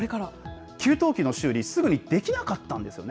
給湯器の修理、すぐにできなかったんですよね。